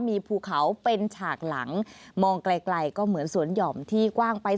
มีภูเขาเป็นฉากหลังมองไกลก็เหมือนสวนห่อมที่กว้างไป